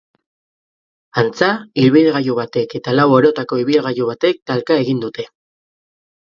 Antza, ibilgailu batek eta lau orotako ibilgailu batek talka egin dute.